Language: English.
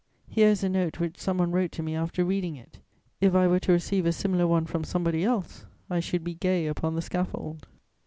Here is a note which some one wrote to me after reading it: if I were to receive a similar one from somebody else, I should be gay upon the scaffold."